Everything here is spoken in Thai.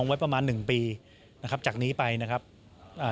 อ่ามานึงปีนะครับจากนี้ไปนะครับอ่า